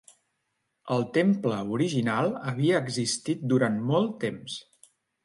El temple original havia existit durant molt temps.